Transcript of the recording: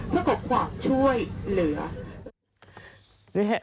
เพื่อขอความช่วยเหลือ